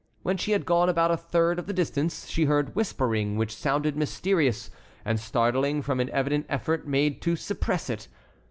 When she had gone about a third of the distance she heard whispering which sounded mysterious and startling from an evident effort made to suppress it.